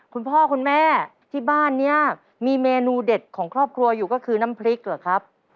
คุณพ่อคุณแม่ที่บ้านนี้มีเมนูเด็ดของครอบครัวอยู่ก็คือน้ำพริกเหรอครับ